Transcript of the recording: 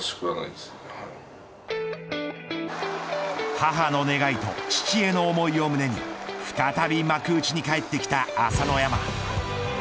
母の願いと父への思いを胸に再び幕内に帰ってきた朝乃山。